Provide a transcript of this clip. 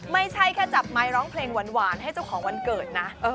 ไม่ใช่แค่จับไมค์ร้องเพลงหวานให้เจ้าของวันเกิดนะ